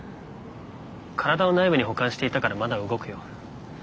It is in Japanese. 体の内部に保管していたからまだ動くよ。